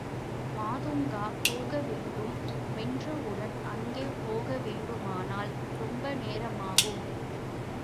மாதுங்கா போக வேண்டு மென்றவுடன் அங்கே போக வேண்டுமானால் ரொம்ப நேரமாகும்.